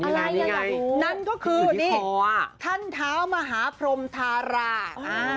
อะไรอย่างนี้ไงนั่นก็คือท่านเท้ามหาพรมธาราค